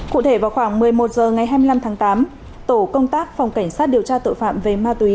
cụ thể vào khoảng một mươi một h ngày hai mươi năm tháng tám tổ công tác phòng cảnh sát điều tra tội phạm về ma túy